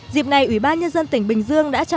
dịp này ủy ban nhân dân tỉnh bình dương đã trả lời các bạn